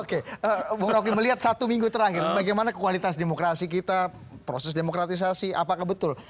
oke bung roky melihat satu minggu terakhir bagaimana kualitas demokrasi kita proses demokratisasi apakah betul